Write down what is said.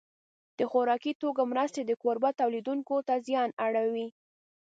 د خوراکي توکو مرستې د کوربه تولیدوونکو ته زیان اړوي.